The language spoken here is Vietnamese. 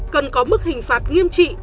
cần có mức hình phạt nghiêm trị